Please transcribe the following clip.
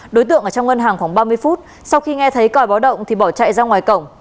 đối tượng ở trong ngân hàng khoảng ba mươi phút sau khi nghe thấy còi báo động thì bỏ chạy ra ngoài cổng